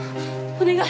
お願い